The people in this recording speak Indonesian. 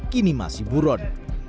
kini masih buron